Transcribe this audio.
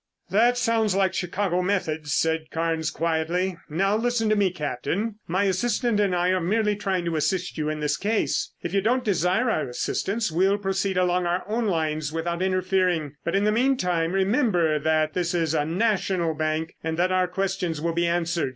"That sounds like Chicago methods," said Carnes quietly. "Now listen to me, Captain. My assistant and I are merely trying to assist you in this case. If you don't desire our assistance we'll proceed along our own lines without interfering, but in the meantime remember that this is a National Bank, and that our questions will be answered.